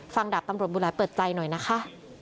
ดาบตำรวจบุหลายเปิดใจหน่อยนะคะ